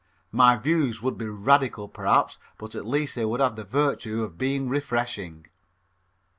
My views would be radical perhaps but at least they would have the virtue of being refreshing.